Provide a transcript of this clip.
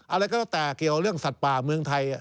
อะไรก็แล้วแต่เกี่ยวเรื่องสัตว์ป่าเมืองไทย